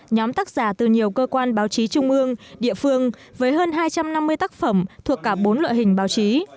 nhóm tác giả từ nhiều cơ quan báo chí trung ương địa phương với hơn hai trăm năm mươi tác phẩm thuộc cả bốn loại hình báo chí